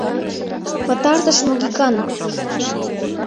Пытартыш могикан!